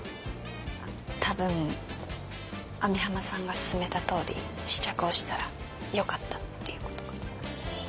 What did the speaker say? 多分網浜さんが勧めたとおり試着をしたらよかったっていうことかと。は？